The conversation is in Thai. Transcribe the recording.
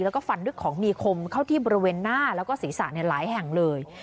แล้วก็ฟันด้วยของมีคมเข้าที่บริเวณหน้าแล้วก็ศีรษะหลายแห่งเลย